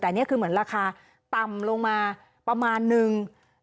แต่นี่คือเหมือนราคาต่ำลงมาประมาณนึง